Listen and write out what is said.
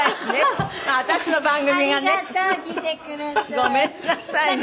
ごめんなさいね。